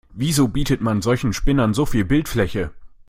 Warum bietet man solchen Spinnern so viel Bildfläche?